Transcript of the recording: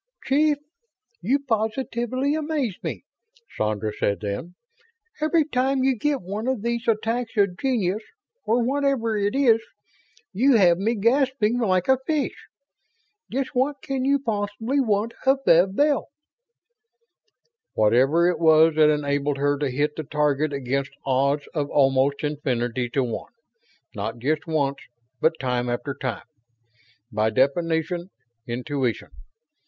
"Chief, you positively amaze me," Sandra said then. "Every time you get one of these attacks of genius or whatever it is you have me gasping like a fish. Just what can you possibly want of Bev Bell?" "Whatever it was that enabled her to hit the target against odds of almost infinity to one; not just once, but time after time. By definition, intuition.